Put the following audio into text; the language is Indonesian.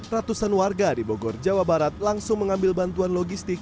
ratusan warga di bogor jawa barat langsung mengambil bantuan logistik